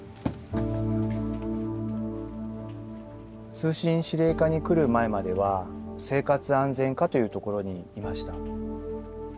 通信指令課に来る前までは生活安全課というところにいました。